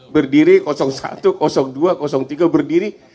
berdiri satu dua tiga berdiri